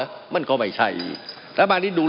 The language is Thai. มันมีมาต่อเนื่องมีเหตุการณ์ที่ไม่เคยเกิดขึ้น